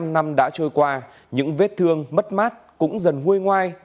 bốn mươi năm năm đã trôi qua những vết thương mất mát cũng dần hôi ngoai